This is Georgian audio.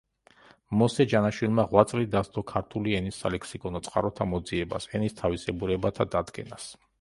მოსე ჯანაშვილმა ღვაწლი დასდო ქართული ენის სალექსიკონო წყაროთა მოძიებას, ენის თავისებურებათა დადგენას.